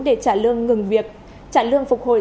để trả lương ngừng việc trả lương phục hồi